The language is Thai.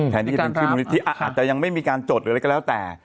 แทนที่จะเป็นชื่อบุคคลที่อาจจะยังไม่มีการจดหรืออะไรก็แล้วแต่